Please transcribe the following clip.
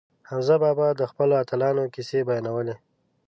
حمزه بابا د خپلو اتلانو کیسې بیانولې.